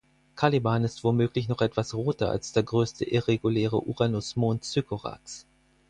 Caliban ist womöglich noch etwas roter als der größte irreguläre Uranusmond Sycorax.